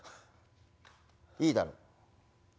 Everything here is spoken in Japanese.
いいだろう。